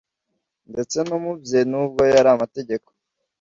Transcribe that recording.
Ndetse no mu bye nubwo yari amategeko,